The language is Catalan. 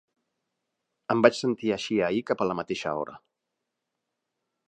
Em vaig sentir així ahir cap a la mateixa hora.